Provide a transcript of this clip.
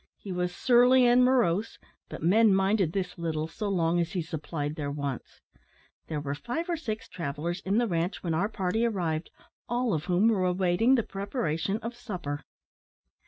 He was surly and morose, but men minded this little, so long as he supplied their wants. There were five or six travellers in the ranche when our party arrived, all of whom were awaiting the preparation of supper.